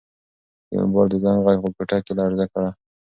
د موبایل د زنګ غږ په کوټه کې لړزه کړه.